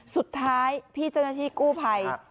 สุดท้ายพี่เจ้าหน้าที่กู้ภัย